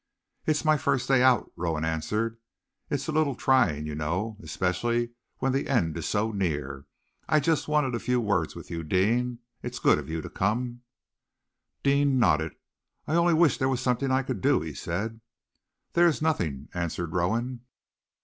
"It's my first day out," Rowan answered. "It's a little trying, you know, especially when the end is so near. I wanted just a few words with you, Deane. It is good of you to come." Deane nodded. "I only wish there was something I could do," he said. "There is nothing," answered Rowan.